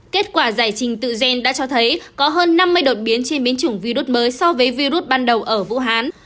kết quả giải trình tự gen đã cho thấy có hơn năm mươi đột biến chế biến chủng virus mới so với virus ban đầu ở vũ hán